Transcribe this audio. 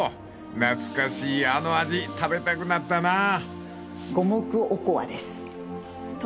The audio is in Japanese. ［懐かしいあの味食べたくなったなぁ］